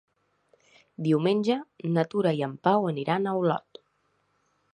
Diumenge na Tura i en Pau aniran a Olot.